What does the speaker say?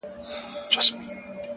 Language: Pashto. مُلا سړی سو ـ اوس پر لاره د آدم راغلی ـ